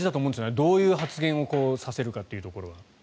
どういう発言をさせるかというところは。